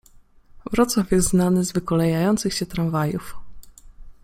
Wrocław jest znany z wykolejających się tramwajów.